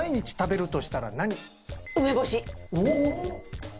梅干し。